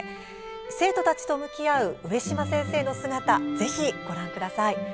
生徒たちと向き合う上嶋先生の姿ぜひご覧ください。